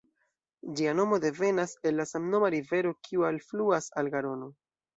Ĝia nomo devenas el la samnoma rivero kiu alfluas al Garono.